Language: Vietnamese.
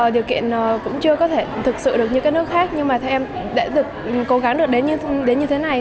điều kiện cũng chưa có thể thực sự được như các nước khác nhưng mà theo em đã được cố gắng được đến như thế này